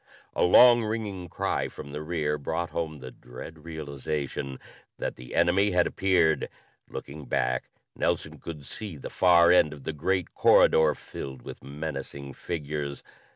A long ringing cry from the rear brought home the dread realization that the enemy had appeared. Looking back, Nelson could see the far end of the great corridor filled with menacing figures.